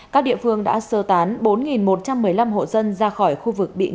các địa phương đã sơ tán bốn một trăm một mươi năm hộ dân ra khỏi khu vực bị ngập